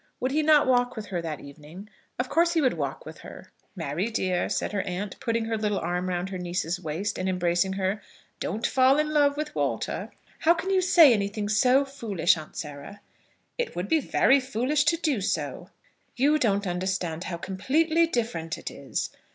Would he not walk with her that evening? Of course he would walk with her. "Mary, dear," said her aunt, putting her little arm round her niece's waist, and embracing her, "don't fall in love with Walter." "How can you say anything so foolish, Aunt Sarah?" "It would be very foolish to do so." "You don't understand how completely different it is.